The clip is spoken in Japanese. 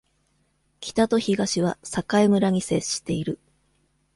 北と東は栄村に接している。